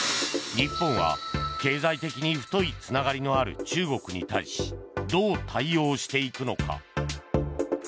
日本は経済的に太いつながりのある中国に対しどう対応していくのか。